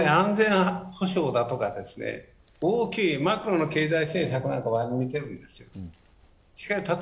例えば、安全保障だとか大きいマクロの経済政策なんかは似てるんです。